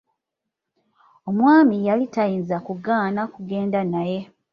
Omwami yali tayinza kugaana kugenda naye.